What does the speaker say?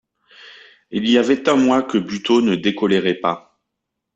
Il y avait un mois que Buteau ne décolérait pas.